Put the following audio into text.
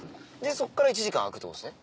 そっから１時間空くってことですね。